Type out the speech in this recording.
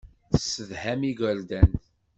Tessedham igerdan.